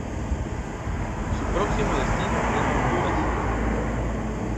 Su próximo destino era Honduras.